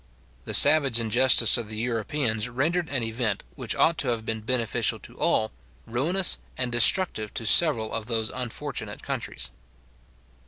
The savage injustice of the Europeans rendered an event, which ought to have been beneficial to all, ruinous and destructive to several of those unfortunate countries.